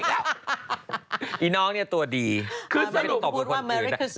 ไอ้น้องเนี่ยตัวดีทำไมไปตบกับคนอื่นแทน